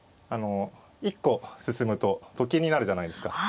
１個進むとと金になるじゃないですか。